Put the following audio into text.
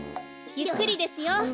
ゆっくりですよ。